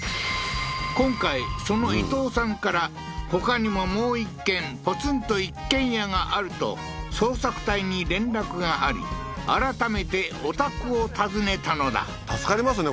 今回その伊藤さんから他にももう１軒ポツンと一軒家があると捜索隊に連絡があり改めてお宅を訪ねたのだ助かりますね